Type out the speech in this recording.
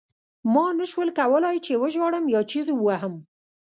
ما نشول کولای چې وژاړم یا چیغې ووهم